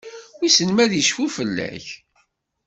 Wissen ma ad icfu fell-ak?